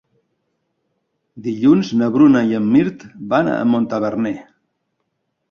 Dilluns na Bruna i en Mirt van a Montaverner.